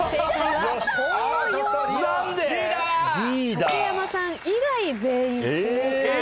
竹山さん以外全員正解。